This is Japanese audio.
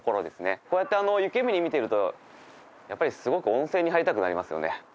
こうやって湯けむり見てるとやっぱりすごく温泉に入りたくなりますよね